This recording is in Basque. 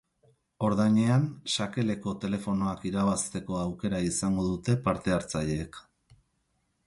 Ordainean, sakeleko telefonoak irabazteko aukera izango dute parte hartzaileek.